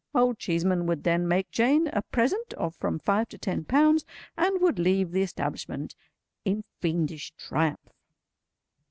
Old Cheeseman would then make Jane a present of from five to ten pounds, and would leave the establishment in fiendish triumph.